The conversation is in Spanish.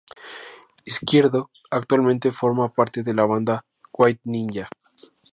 Izquierdo actualmente forma parte de la banda White Ninja.